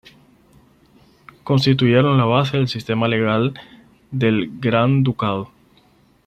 Constituyeron la base del sistema legal del Gran Ducado.